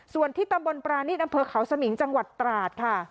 ส่วนที่ตำบลปรานิตอำเภอเขาสมิงจังหวัดตราดค่ะ